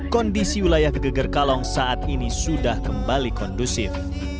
kondisi wilayah geger kalong saat ini sudah kembali kondusif